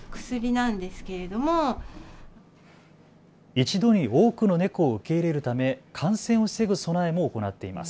一度に多くの猫を受け入れるため感染を防ぐ備えも行っています。